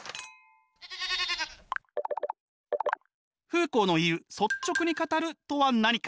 フーコーの言う「率直に語る」とは何か。